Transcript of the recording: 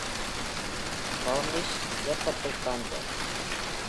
Flemish இயக்கத்தைக் காண்க.